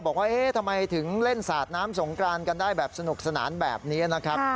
บอกว่าทำไมถึงเล่นสาดน้ำสงกรานกันได้แบบสนุกสนานแบบนี้นะครับ